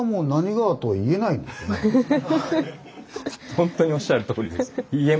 ほんとにおっしゃるとおりです。